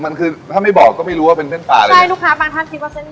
มันคือถ้าไม่บอกก็ไม่รู้ว่าเป็นเส้นปลาเลยใช่ลูกค้าบางท่านคิดว่าเส้น